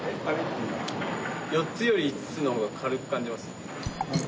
４つより５つの方が軽く感じます。